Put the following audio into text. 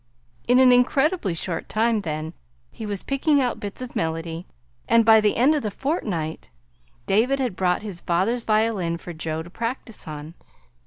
In an incredibly short time, then, he was picking out bits of melody; and by the end of a fortnight David had brought his father's violin for Joe to practice on.